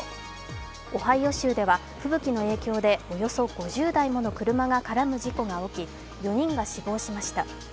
オハイオ州では吹雪の影響でおよそ５０台もの車が絡む事故が起き、４人が死亡しました。